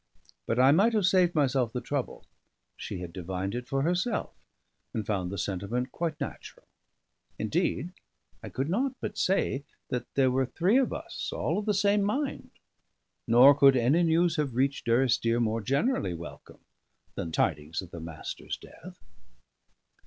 But I might have saved myself the trouble; she had divined it for herself, and found the sentiment quite natural. Indeed, I could not but say that there were three of us, all of the same mind; nor could any news have reached Durrisdeer more generally welcome than tidings of the Master's death.